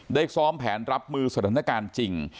ซ้อมแผนรับมือสถานการณ์จริง